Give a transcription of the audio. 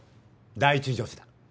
第１助手だ。